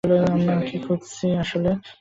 আমরা কি খুঁজছি আসলে?